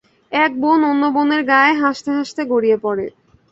এক বোন অন্য বোনের গায়ে হাসতে-হাসতে গড়িয়ে পড়ে।